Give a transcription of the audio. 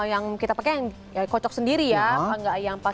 yang kita pakai yang kocok sendiri ya gak yang pakai